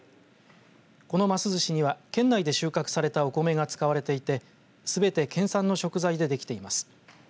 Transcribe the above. このますずしには県内で収穫されたお米が使われていてすべて県産の食材でできています。